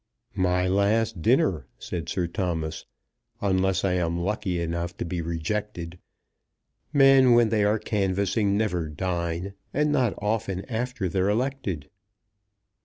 "My last dinner," said Sir Thomas, "unless I am lucky enough to be rejected. Men when they are canvassing never dine; and not often after they're elected."